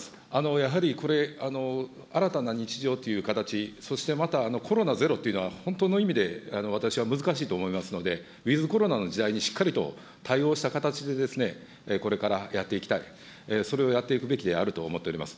やはりこれ、新たな日常という形、そしてまたコロナゼロというのは、本当の意味で私は難しいと思いますので、ウィズコロナの時代にしっかりと対応した形で、これからやっていきたい、それをやっていくべきであると思っております。